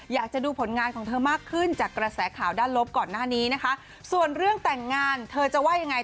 อยากจะดูผลงานของเธอมากขึ้นจากกระแสข่าวด้านลบก่อนหน้านี้นะคะส่วนเรื่องแต่งงานเธอจะว่ายังไง